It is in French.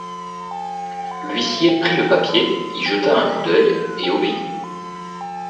L’huissier prit le papier, y jeta un coup d’œil et obéit.